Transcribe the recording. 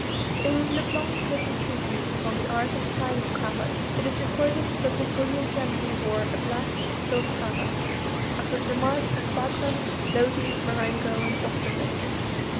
In Le Blanc's little treatise upon the art of tying the cravat it is recorded that Napoleon generally wore a black silk cravat, as was remarked at Wagram, Lodi, Marengo and Austerlitz.